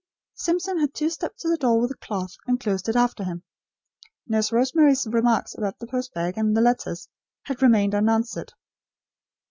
Simpson had two stepped to the door with the cloth, and closed it after him. Nurse Rosemary's remarks about the post bag, and the letters, had remained unanswered.